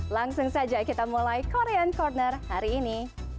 langsung saja kita mulai korean corner hari ini